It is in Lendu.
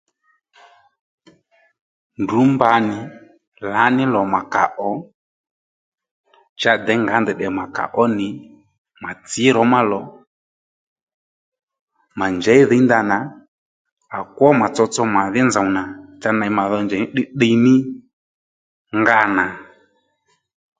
Ndrǔ mba nì lǎní lò mà kà ò cha děy ngǎ ndèy tdè mà kà ó nì mà tsǐ rǒ má lò mà njěy dhǐy ndanà à kwó mà tsotso mà dhí nzòw nà cha ney mà dho njèy ní tdiytdiy ní nga nà